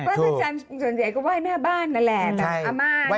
ไหว้พระจันทร์ส่วนใหญ่ก็ไหว้หน้าบ้านนั่นแหละ